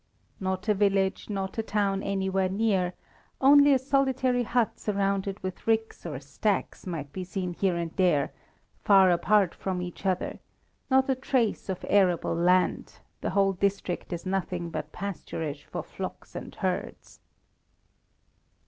Not a village, not a town anywhere near; only a solitary hut surrounded with ricks or stacks might be seen here and there, far apart from each other; not a trace of arable land; the whole district is nothing but pasturage for flocks and herds.